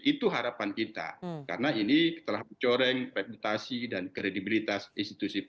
itu harapan kita karena ini telah mencoreng reputasi dan kredibilitas institusi polri